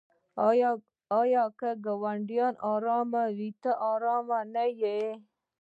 آیا که ګاونډی ارام وي ته ارام نه یې؟